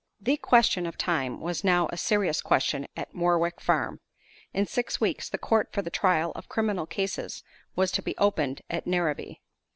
THE question of time was now a serious question at Morwick Farm. In six weeks the court for the trial of criminal cases was to be opened at Narrabee.